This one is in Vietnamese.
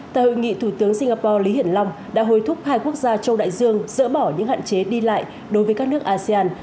tại hội nghị thủ tướng singapore lý hiển long đã hối thúc hai quốc gia châu đại dương dỡ bỏ những hạn chế đi lại đối với các nước asean